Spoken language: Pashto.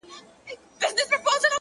دى وايي دا”